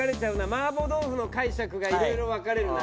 麻婆豆腐の解釈が色々分かれるな。